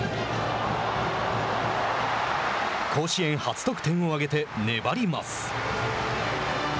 甲子園初得点を挙げて粘ります。